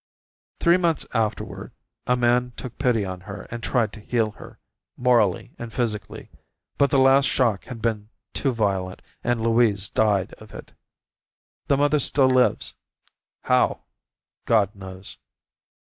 Three months afterward a man took pity on her and tried to heal her, morally and physically; but the last shock had been too violent, and Louise died of it. The mother still lives; how? God knows.